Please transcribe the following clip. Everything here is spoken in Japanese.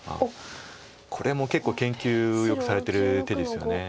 これも結構研究されてる手ですよね。